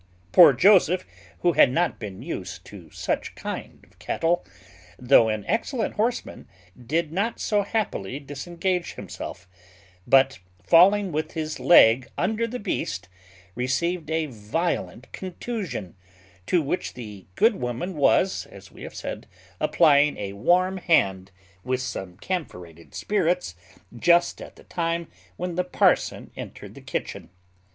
Poor Joseph, who had not been used to such kind of cattle, though an excellent horseman, did not so happily disengage himself; but, falling with his leg under the beast, received a violent contusion, to which the good woman was, as we have said, applying a warm hand, with some camphorated spirits, just at the time when the parson entered the kitchen.